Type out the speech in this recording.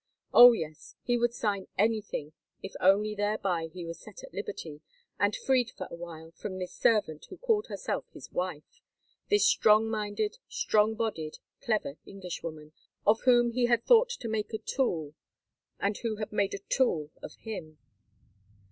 Oh! yes, he would sign anything if only thereby he was set at liberty and freed for a while from this servant who called herself his wife, this strong minded, strong bodied, clever Englishwoman, of whom he had thought to make a tool, and who had made a tool of him.